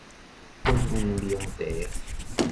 粉圓奶茶